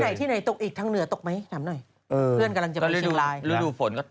ไม่ใช่น้องปังปัง